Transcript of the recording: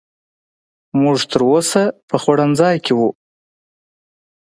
موږ تر اوسه په خوړنځای کې وو.